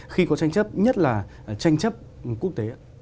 khi có tranh chấp nhất là tranh chấp quốc tế